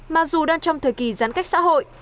mặc dù đang trong thời kỳ giãn cách xã hội